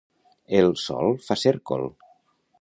El sol fa cèrcol.